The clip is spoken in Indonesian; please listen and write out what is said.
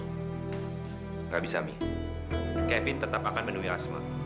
rabi sami kevin tetap akan menunggu asma